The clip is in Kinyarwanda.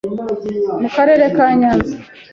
Mu karere ka Nyanza